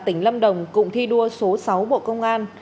tỉnh lâm đồng cụng thi đua số sáu bộ công an